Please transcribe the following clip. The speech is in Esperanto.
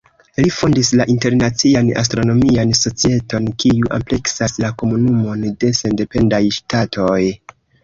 Li fondis la Internacian Astronomian Societon, kiu ampleksas la Komunumon de Sendependaj Ŝtatoj.